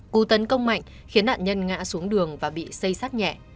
cú tấn công mạnh khiến nạn nhân ngã xuống đường và bị xây sát nhẹ